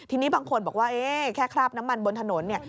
ทีนี้บางคนบอกว่าเอ๊ะแค่คราบน้ำมันบนถนนเนี่ย